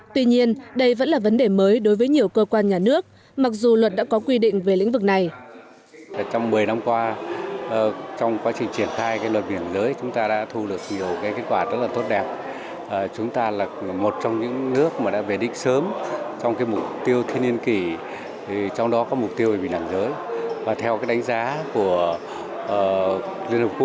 tuy nhiên đây vẫn là vấn đề mới đối với nhiều cơ quan nhà nước mặc dù luật đã có quy định về lĩnh vực này